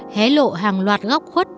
hé lộ hàng loạt góc khuất